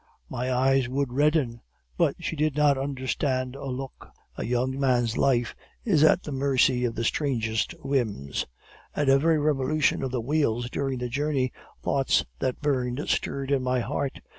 My eyes would redden, but she did not understand a look. A young man's life is at the mercy of the strangest whims! At every revolution of the wheels during the journey, thoughts that burned stirred in my heart.